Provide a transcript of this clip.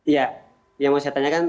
iya yang mau saya tanyakan